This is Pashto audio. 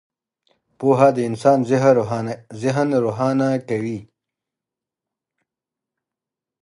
• پوهه د انسان ذهن روښانه کوي.